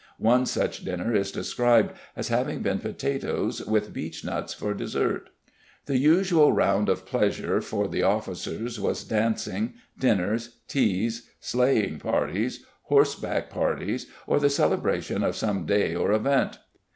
One such dinner is described as having been potatoes with beech nuts for dessert. The usual round of pleasure for the officers was dancing, dinners, teas, sleighing parties, horse back parties, or the celebration of some day or event.